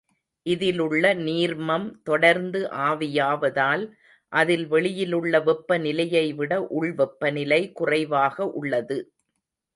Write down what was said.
இதிலுள்ள நீர்மம் தொடர்ந்து ஆவியாவதால், அதில் வெளியிலுள்ள வெப்ப நிலையைவிட உள் வெப்பநிலை குறைவாக உள்ளது.